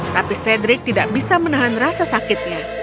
tapi sedrik tidak bisa menahan rasa sakitnya